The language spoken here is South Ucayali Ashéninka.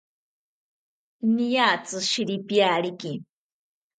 Niatzi shiripiyariki